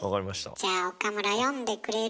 じゃあ岡村読んでくれる？